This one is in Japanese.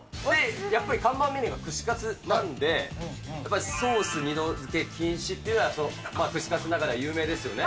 やっぱり看板メニューが串かつなんで、やっぱりソース二度づけ禁止というのは、串かつの中では有名ですよね。